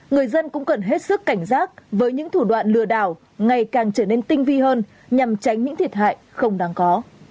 người dân cũng cần hết sức cảnh giác với những thủ đoạn lừa đảo ngày càng trở nên tinh vi hơn nhằm tránh những thiệt hại không đáng có